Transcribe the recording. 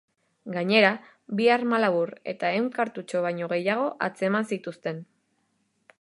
Gainera, bi arma labur eta ehun kartutxo baino gehiago atzeman zituzten.